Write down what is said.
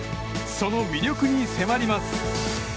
その魅力に迫ります。